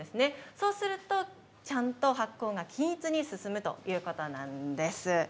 そうすると、ちゃんと発酵が均一に進むということなんです。